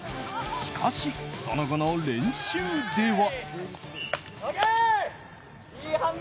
しかし、その後の練習では。